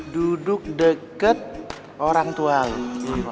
duduk deket orang tua lagi